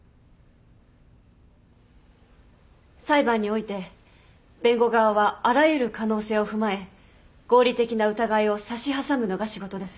裁判において弁護側はあらゆる可能性を踏まえ合理的な疑いを差し挟むのが仕事です。